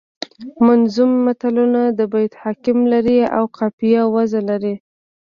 منظوم متلونه د بیت حکم لري او قافیه او وزن لري